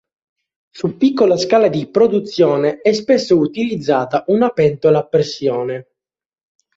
Su piccola scala di produzione è spesso utilizzata una pentola a pressione.